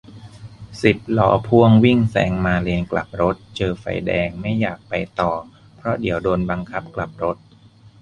สิบล้อพ่วงวิ่งแซงมาเลนกลับรถ เจอไฟแดง ไม่อยากไปต่อ เพราะเดี๋ยวโดนบังคับกลับรถ